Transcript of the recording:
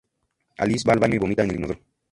Alice va al baño y vomita en el inodoro.